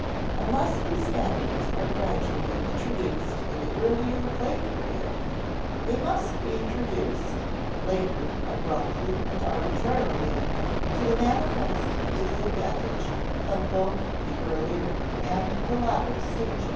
Unless these factors are gradually introduced in the earlier play period, they must be introduced later abruptly and arbitrarily, to the manifest disadvantage of both the earlier and the later stages.